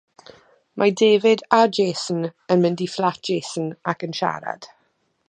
Mae David a Jason yn mynd i fflat Jason ac yn siarad.